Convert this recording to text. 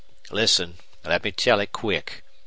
Listen. Let me tell it quick.